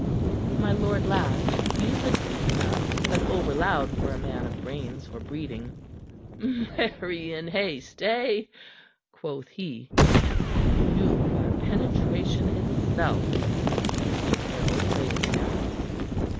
My lord laughed, musically enough, but overloud for a man of brains or breeding. "Marry in haste, eh?" quoth he. "You are penetration itself," Mr. Caryll praised him.